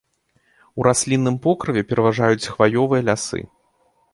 У раслінным покрыве пераважаюць хваёвыя лясы.